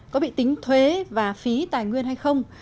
có bị tính thuế và phí tài nguyên hay không